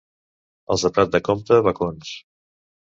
Els de Prat de Comte, bacons.